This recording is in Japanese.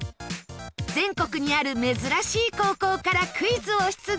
全国にある珍しい高校からクイズを出題。